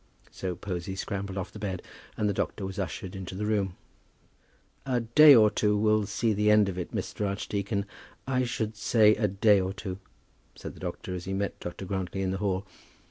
So Posy scrambled off the bed, and the doctor was ushered into the room. "A day or two will see the end of it, Mr. Archdeacon; I should say a day or two," said the doctor, as he met Dr. Grantly in the hall.